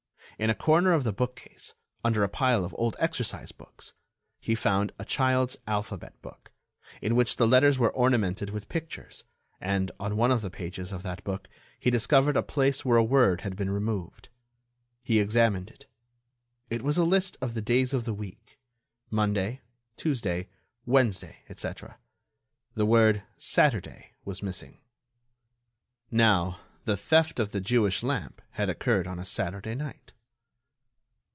In a corner of the bookcase, under a pile of old exercise books, he found a child's alphabet book, in which the letters were ornamented with pictures, and on one of the pages of that book he discovered a place where a word had been removed. He examined it. It was a list of the days of the week. Monday, Tuesday, Wednesday, etc. The word "Saturday" was missing. Now, the theft of the Jewish lamp had occurred on a Saturday night.